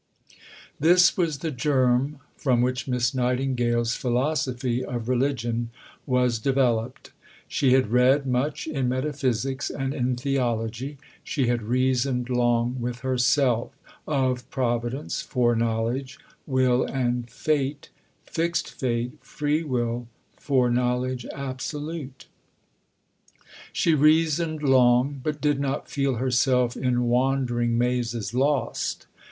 This was the germ from which Miss Nightingale's philosophy of religion was developed. She had read much in metaphysics and in theology; she had reasoned long with herself Of providence, foreknowledge, will, and fate, Fixed fate, free will, foreknowledge absolute. She reasoned long, but did not feel herself "in wandering mazes lost."